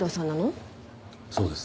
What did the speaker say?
そうです。